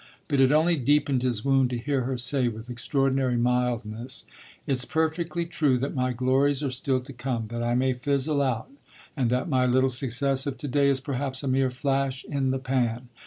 But it only deepened his wound to hear her say with extraordinary mildness: "It's perfectly true that my glories are still to come, that I may fizzle out and that my little success of to day is perhaps a mere flash in the pan.